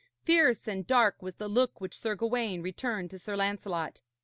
Fierce and dark was the look which Sir Gawaine returned to Sir Lancelot.